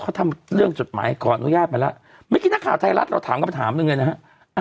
เขาทำเรื่องจดหมายขออนุญาตไปแล้วเมื่อกี้นักข่าวไทยรัฐเราถามคำถามหนึ่งเลยนะฮะ